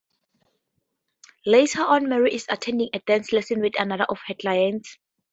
Later on Mary is attending a dance lesson with another of her clients.